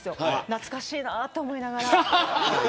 懐かしいなと思いながら。